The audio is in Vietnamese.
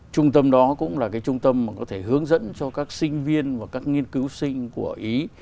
trung tâm đó cũng là cái trung tâm mà có thể hướng dẫn cho các sinh viên và các nghiên cứu sinh của ý